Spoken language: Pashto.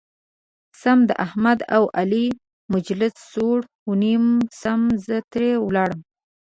سم د احمد او علي مجلس سور ونیو سم زه ترې ولاړم.